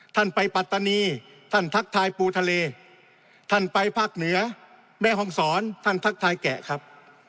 ท่านไปปัตตานีท่านทักทายปูทะเลท่านไปภาคเหนือแม่ห้องศรท่านทักทายแกะครับ